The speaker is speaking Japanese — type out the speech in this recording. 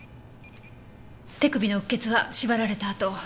手首の鬱血は縛られた跡。